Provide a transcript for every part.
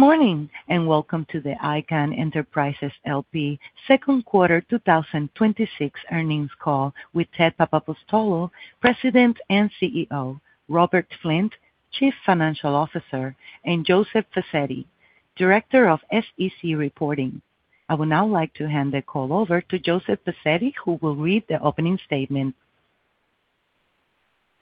Morning, welcome to the Icahn Enterprises L.P. second quarter 2026 earnings call with Ted Papapostolou, President and CEO, Robert Flint, Chief Financial Officer, and Joseph Pacetti, Director of SEC Reporting. I would now like to hand the call over to Joseph Pacetti, who will read the opening statement.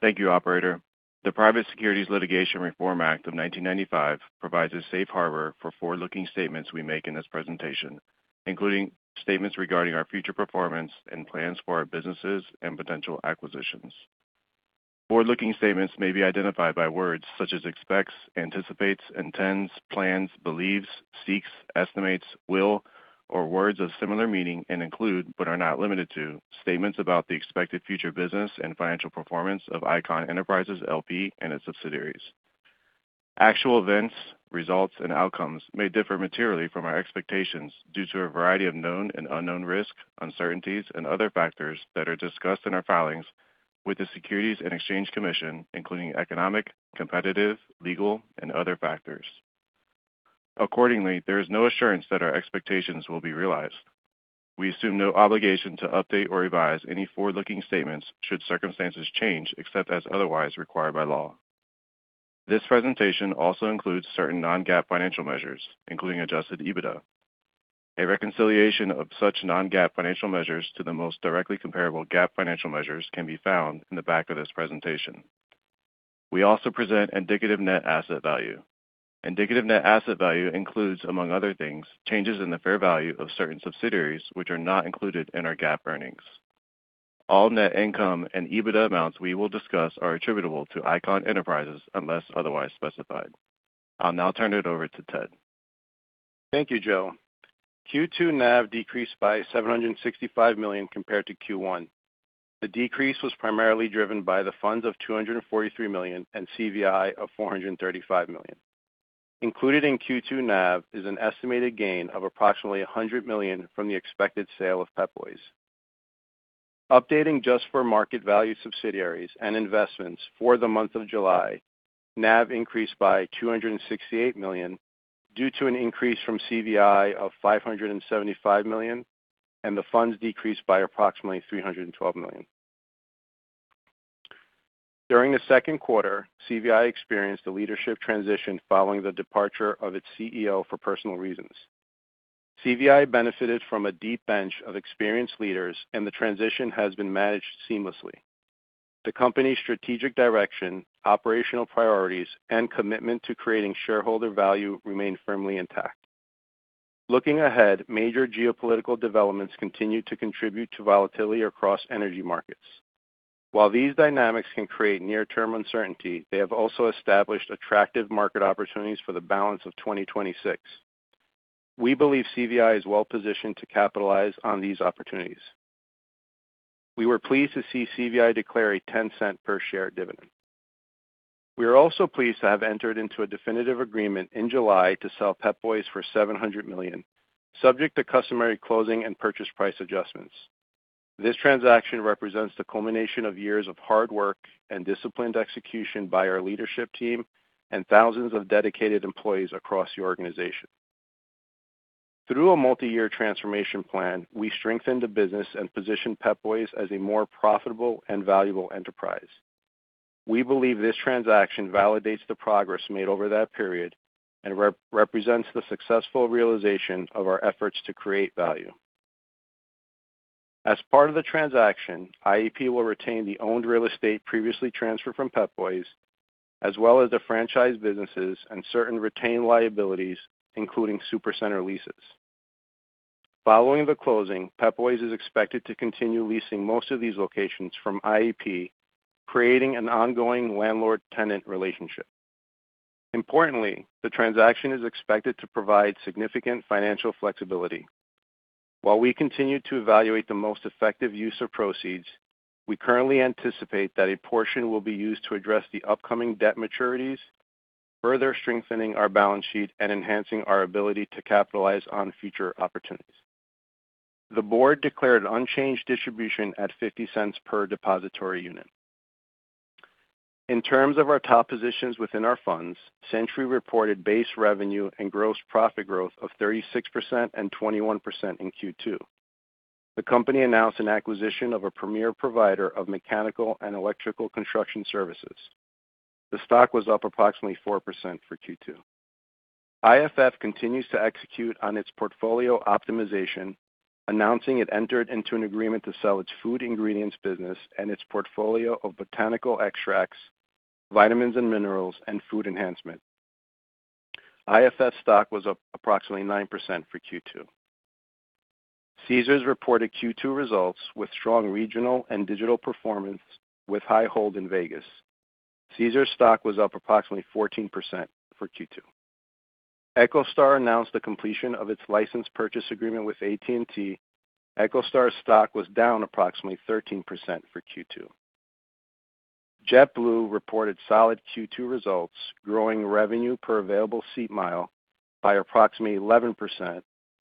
Thank you, Operator. The Private Securities Litigation Reform Act of 1995 provides a safe harbor for forward-looking statements we make in this presentation, including statements regarding our future performance and plans for our businesses and potential acquisitions. Forward-looking statements may be identified by words such as expects, anticipates, intends, plans, believes, seeks, estimates, will, or words of similar meaning, include, but are not limited to, statements about the expected future business and financial performance of Icahn Enterprises L.P. and its subsidiaries. Actual events, results, and outcomes may differ materially from our expectations due to a variety of known and unknown risks, uncertainties, and other factors that are discussed in our filings with the Securities and Exchange Commission, including economic, competitive, legal, and other factors. There is no assurance that our expectations will be realized. We assume no obligation to update or revise any forward-looking statements should circumstances change, except as otherwise required by law. This presentation also includes certain non-GAAP financial measures, including adjusted EBITDA. A reconciliation of such non-GAAP financial measures to the most directly comparable GAAP financial measures can be found in the back of this presentation. We also present indicative net asset value. Indicative net asset value includes, among other things, changes in the fair value of certain subsidiaries, which are not included in our GAAP earnings. All net income and EBITDA amounts we will discuss are attributable to Icahn Enterprises unless otherwise specified. I'll now turn it over to Ted. Thank you, Joe. Q2 NAV decreased by $765 million compared to Q1. The decrease was primarily driven by the funds of $243 million and CVI of $435 million. Included in Q2 NAV is an estimated gain of approximately $100 million from the expected sale of Pep Boys. Updating just for market value subsidiaries and investments for the month of July, NAV increased by $268 million due to an increase from CVI of $575 million, the funds decreased by approximately $312 million. During the second quarter, CVI experienced a leadership transition following the departure of its CEO for personal reasons. CVI benefited from a deep bench of experienced leaders and the transition has been managed seamlessly. The company's strategic direction, operational priorities, and commitment to creating shareholder value remain firmly intact. Looking ahead, major geopolitical developments continue to contribute to volatility across energy markets. While these dynamics can create near-term uncertainty, they have also established attractive market opportunities for the balance of 2026. We believe CVI is well-positioned to capitalize on these opportunities. We were pleased to see CVI declare a $0.10 per share dividend. We are also pleased to have entered into a definitive agreement in July to sell Pep Boys for $700 million, subject to customary closing and purchase price adjustments. This transaction represents the culmination of years of hard work and disciplined execution by our leadership team and thousands of dedicated employees across the organization. Through a multi-year transformation plan, we strengthened the business and positioned Pep Boys as a more profitable and valuable enterprise. We believe this transaction validates the progress made over that period and represents the successful realization of our efforts to create value. As part of the transaction, IEP will retain the owned real estate previously transferred from Pep Boys, as well as the franchise businesses and certain retained liabilities, including Supercenter leases. Following the closing, Pep Boys is expected to continue leasing most of these locations from IEP, creating an ongoing landlord-tenant relationship. Importantly, the transaction is expected to provide significant financial flexibility. While we continue to evaluate the most effective use of proceeds, we currently anticipate that a portion will be used to address the upcoming debt maturities, further strengthening our balance sheet and enhancing our ability to capitalize on future opportunities. The board declared unchanged distribution at $0.50 per depositary unit. In terms of our top positions within our funds, Centuri reported base revenue and gross profit growth of 36% and 21% in Q2. The company announced an acquisition of a premier provider of mechanical and electrical construction services. The stock was up approximately 4% for Q2. IFF continues to execute on its portfolio optimization, announcing it entered into an agreement to sell its food ingredients business and its portfolio of botanical extracts, vitamins and minerals, and food enhancement. IFF's stock was up approximately 9% for Q2. Caesars reported Q2 results with strong regional and digital performance with high hold in Vegas. Caesars stock was up approximately 14% for Q2. EchoStar announced the completion of its license purchase agreement with AT&T. EchoStar stock was down approximately 13% for Q2. JetBlue reported solid Q2 results, growing revenue per available seat mile by approximately 11%,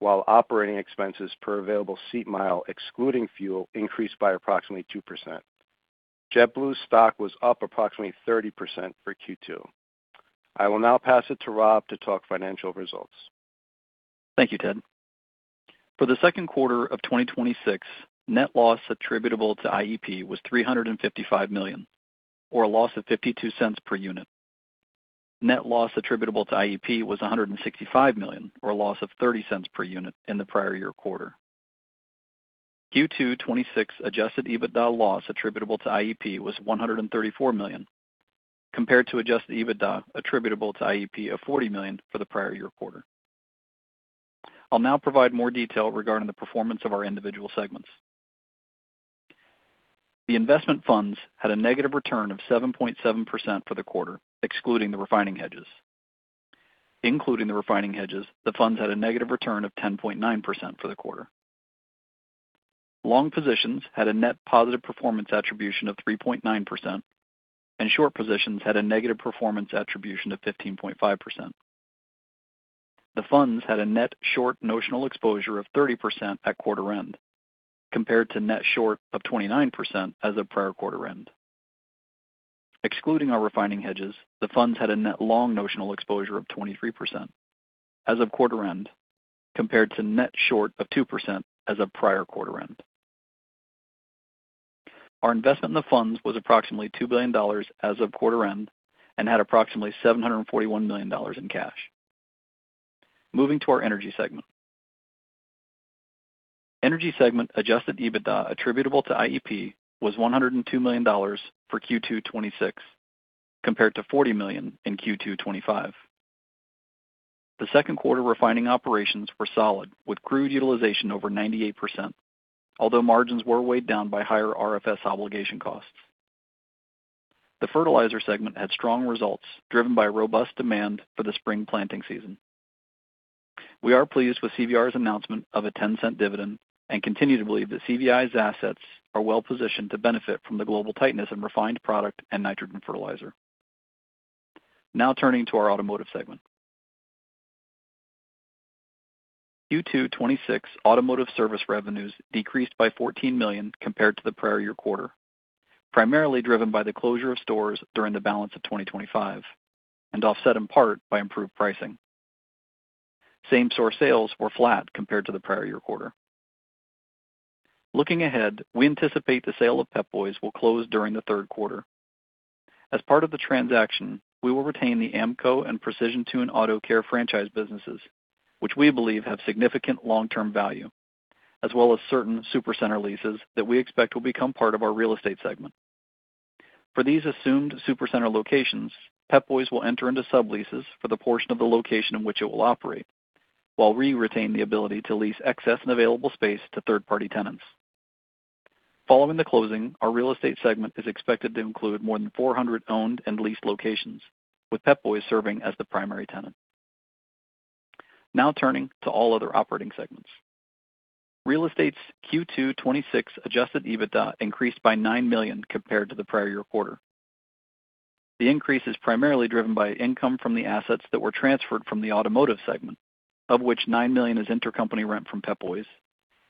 while operating expenses per available seat mile, excluding fuel, increased by approximately 2%. JetBlue's stock was up approximately 30% for Q2. I will now pass it to Rob to talk financial results. Thank you, Ted. For the second quarter of 2026, net loss attributable to IEP was $355 million, or a loss of $0.52 per unit. Net loss attributable to IEP was $165 million, or a loss of $0.30 per unit in the prior year quarter. Q2 2026 adjusted EBITDA loss attributable to IEP was $134 million, compared to adjusted EBITDA attributable to IEP of $40 million for the prior year quarter. I'll now provide more detail regarding the performance of our individual segments. The investment funds had a negative return of 7.7% for the quarter, excluding the refining hedges. Including the refining hedges, the funds had a negative return of 10.9% for the quarter. Long positions had a net positive performance attribution of 3.9%, and short positions had a negative performance attribution of 15.5%. The funds had a net short notional exposure of 30% at quarter end, compared to net short of 29% as of prior quarter end. Excluding our refining hedges, the funds had a net long notional exposure of 23% as of quarter end, compared to net short of 2% as of prior quarter end. Our investment in the funds was approximately $2 billion as of quarter end and had approximately $741 million in cash. Moving to our Energy segment. Energy segment adjusted EBITDA attributable to IEP was $102 million for Q2 2026, compared to $40 million in Q2 2025. The second quarter refining operations were solid, with crude utilization over 98%, although margins were weighed down by higher RFS obligation costs. The fertilizer segment had strong results driven by robust demand for the spring planting season. We are pleased with CVR's announcement of a $0.10 dividend and continue to believe that CVR's assets are well-positioned to benefit from the global tightness in refined product and nitrogen fertilizer. Now turning to our Automotive segment. Q2 2026 automotive service revenues decreased by $14 million compared to the prior year quarter, primarily driven by the closure of stores during the balance of 2025 and offset in part by improved pricing. Same-store sales were flat compared to the prior year quarter. Looking ahead, we anticipate the sale of Pep Boys will close during the third quarter. As part of the transaction, we will retain the AAMCO and Precision Tune Auto Care franchise businesses, which we believe have significant long-term value, as well as certain super center leases that we expect will become part of our real estate segment. For these assumed super center locations, Pep Boys will enter into subleases for the portion of the location in which it will operate, while we retain the ability to lease excess and available space to third-party tenants. Following the closing, our real estate segment is expected to include more than 400 owned and leased locations, with Pep Boys serving as the primary tenant. Now turning to all other operating segments. Real estate's Q2 2026 adjusted EBITDA increased by $9 million compared to the prior year quarter. The increase is primarily driven by income from the assets that were transferred from the automotive segment, of which $9 million is intercompany rent from Pep Boys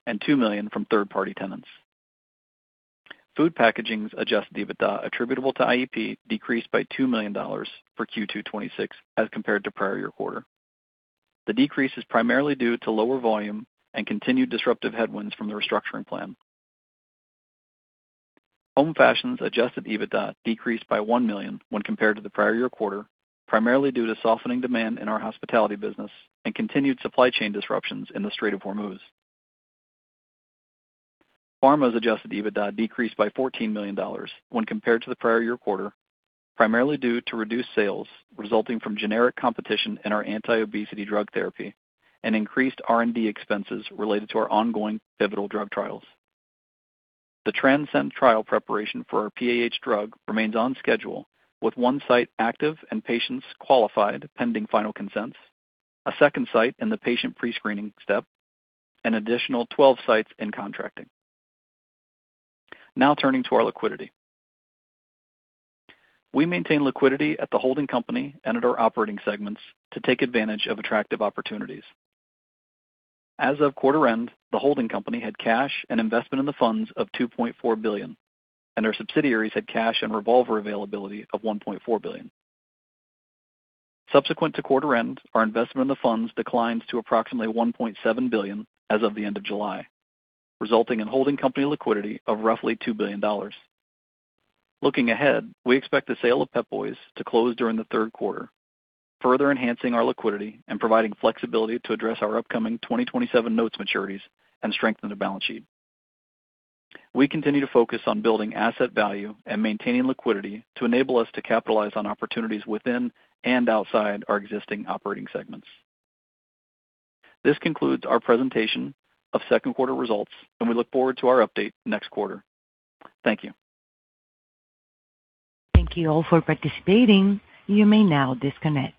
and $2 million from third-party tenants. Food packaging's adjusted EBITDA attributable to IEP decreased by $2 million for Q2 2026 as compared to prior year quarter. The decrease is primarily due to lower volume and continued disruptive headwinds from the restructuring plan. Home fashions adjusted EBITDA decreased by $1 million when compared to the prior year quarter, primarily due to softening demand in our hospitality business and continued supply chain disruptions in the Strait of Hormuz. Pharma's adjusted EBITDA decreased by $14 million when compared to the prior year quarter, primarily due to reduced sales resulting from generic competition in our anti-obesity drug therapy and increased R&D expenses related to our ongoing pivotal drug trials. The TRANSCEND trial preparation for our PAH drug remains on schedule with one site active and patients qualified pending final consents, a second site in the patient pre-screening step, an additional 12 sites in contracting. Now turning to our liquidity. We maintain liquidity at the holding company and at our operating segments to take advantage of attractive opportunities. As of quarter end, the holding company had cash and investment in the funds of $2.4 billion, and our subsidiaries had cash and revolver availability of $1.4 billion. Subsequent to quarter end, our investment in the funds declined to approximately $1.7 billion as of the end of July, resulting in holding company liquidity of roughly $2 billion. Looking ahead, we expect the sale of Pep Boys to close during the third quarter, further enhancing our liquidity and providing flexibility to address our upcoming 2027 notes maturities and strengthen the balance sheet. We continue to focus on building asset value and maintaining liquidity to enable us to capitalize on opportunities within and outside our existing operating segments. This concludes our presentation of second quarter results, and we look forward to our update next quarter. Thank you. Thank you all for participating. You may now disconnect.